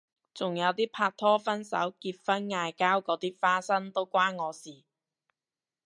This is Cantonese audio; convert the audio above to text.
仲有啲拍拖分手結婚嗌交嗰啲花生都關我事